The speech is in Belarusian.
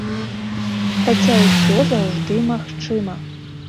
Хаця ўсё заўжды магчыма!